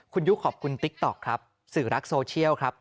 คุณยุขอบคุณติ๊กต๊อกครับสื่อรักโซเชียลครับ